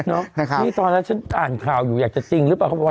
นะคะนี่ตอนนั้นฉันอ่านข่าวอยู่อยากจะจริงรึเปล่า